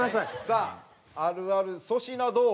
さああるある粗品どう？